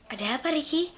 ada apa riki